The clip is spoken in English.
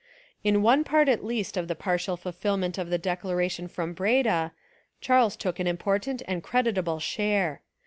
"In one part at least of the partial fulfil ment of the Declaration from Breda, Charles took an important and creditable share.